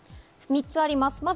３つあります。